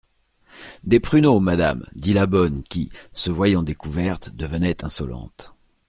Des pruneaux, madame, dit la bonne, qui, se voyant découverte, devenait insolente.